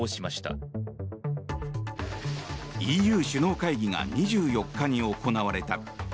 ＥＵ首脳会議が２４日に行われた。